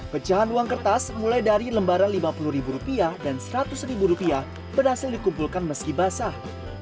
pecahan uang kertas mulai dari lembaran rp lima puluh dan rp seratus berhasil dikumpulkan meski basah